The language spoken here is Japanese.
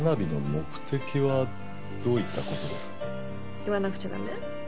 言わなくちゃ駄目？